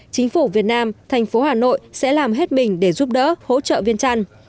chính phủ việt nam thành phố hà nội sẽ làm hết mình để giúp đỡ hỗ trợ viên chăn